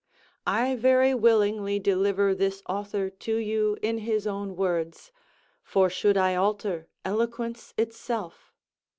I very willingly deliver this author to you in his own words; for should I alter eloquence itself?